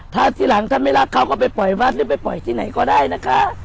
ถ้าทีหลังถ้าไม่รักเขาก็ไปปล่อยวัดหรือไปปล่อยที่ไหนก็ได้นะคะ